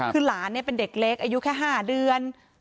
คือหลานเป็นเด็กเล็กอายุแค่๕เดือน